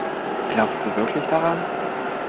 Glaubst du wirklich daran?